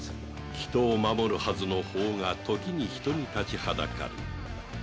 人を守るはずの法がときに人に立ちはだかる